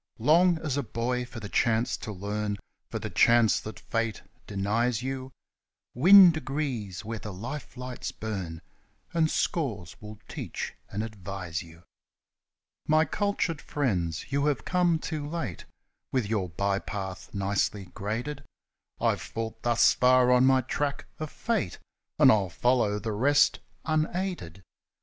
Long, as a boy, for the chance to learn For the chance that Fate denies you ; Win degrees where the Life lights burn, And scores will teach and advise you. My cultured friends ! you have come too late With your bypath nicely graded ; I've fought thus far on my track of Fate, And I'll follow the rest unaided.